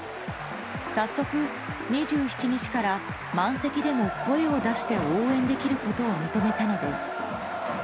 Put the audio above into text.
さっそく２７日から満席でも声を出して応援できることを認めたのです。